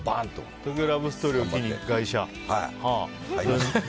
「東京ラブストーリー」を機に外車。